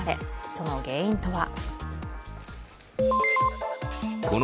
その原因とは？